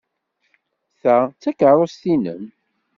Ta d takeṛṛust-nnem?